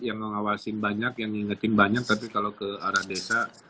yang ngawasin banyak yang ngingetin banyak tapi kalau ke arah desa